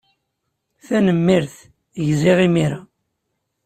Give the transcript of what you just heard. Tanemmirt. Gziɣ imir-a.